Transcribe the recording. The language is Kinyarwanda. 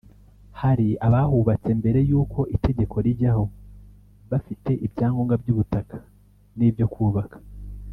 Hari abahubatse mbere y’uko itegeko rijyaho bafite ibyangombwa by’ubutaka n’ibyo kubaka